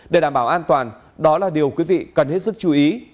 để đảm bảo an toàn đó là điều quý vị cần hết sức chú ý